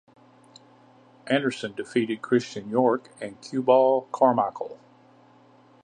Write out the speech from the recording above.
Anderson defeated Christian York and Cueball Carmichael.